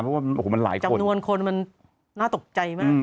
เพราะว่าจำนวนคนมันน่าตกใจมาก